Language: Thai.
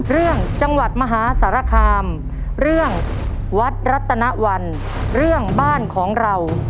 เรื่องจังหวัดมหาสารคามเรื่องวัดรัตนวันเรื่องบ้านของเรา